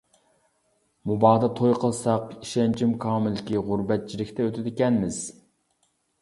مۇبادا توي قىلساق، ئىشەنچىم كامىلكى، غۇربەتچىلىكتە ئۆتىدىكەنمىز.